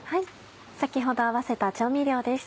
先ほど合わせた調味料です。